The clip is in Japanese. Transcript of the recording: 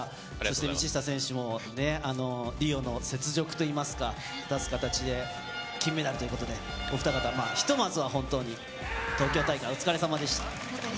道下選手もリオの雪辱といいますか、果たす形で金メダルということで、お二方ひとまずは本当に東京大会、お疲れ様でした。